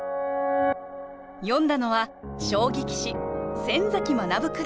詠んだのは将棋棋士先崎学九段。